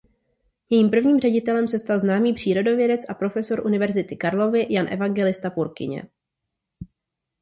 Jejím prvním ředitelem se stal známý přírodovědec a profesor Univerzity Karlovy Jan Evangelista Purkyně.